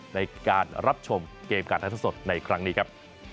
ในการรับชมเกมการท่าสดในครั้งนี้ครับ